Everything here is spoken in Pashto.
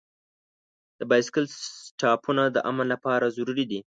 د بایسکل سټاپونه د امن لپاره ضروري دي.